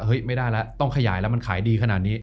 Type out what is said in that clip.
ไม่ได้แล้วต้องขยายแล้วมันขายดีขนาดนี้